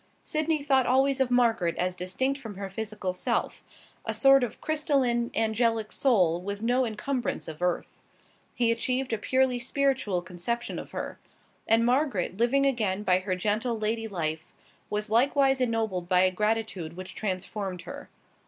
Sydney thought always of Margaret as distinct from her physical self, a sort of crystalline, angelic soul, with no encumbrance of earth. He achieved a purely spiritual conception of her. And Margaret, living again her gentle lady life, was likewise ennobled by a gratitude which transformed her.